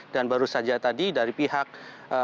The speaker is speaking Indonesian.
dan baru saja tadi dari pihak kepolisian